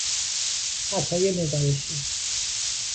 خطای نگارشی